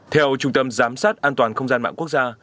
theo trung tâm giám sát an toàn không gian mạng quốc gia